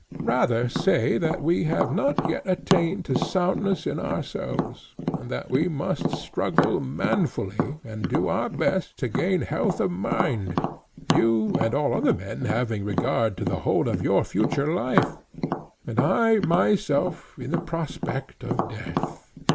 Rather say that we have not yet attained to soundness in ourselves, and that we must struggle manfully and do our best to gain health of mind—you and all other men having regard to the whole of your future life, and I myself in the prospect of death.